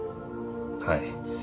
はい。